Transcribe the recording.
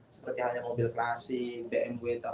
seperti halnya mobil klasi bmw